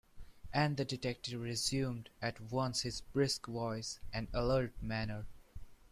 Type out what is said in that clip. And the detective resumed at once his brisk voice and alert manner.